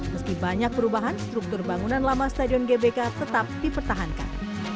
meski banyak perubahan struktur bangunan lama stadion gbk tetap dipertahankan